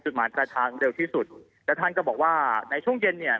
หมายประชังเร็วที่สุดแล้วท่านก็บอกว่าในช่วงเย็นเนี่ย